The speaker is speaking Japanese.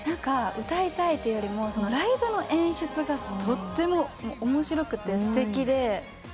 歌いたいというよりもライブの演出がとっても面白くてすてきで。